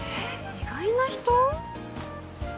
意外な人？